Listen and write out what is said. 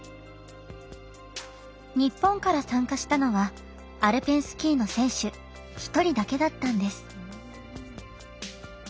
日本から参加したのはアルペンスキーの選手１人だけだったんです。